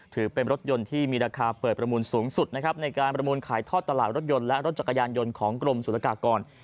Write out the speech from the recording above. ถือเป็นรถยนต์ที่มีราคาเปิดประมูลสูงสุดนะครับในการประมูลขายทอดตลาดรถยนต์และรถจักรยานยนต์ของกรมศุลกากร